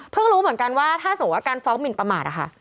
รู้เหมือนกันว่าถ้าสมมุติว่าการฟ้องหมินประมาท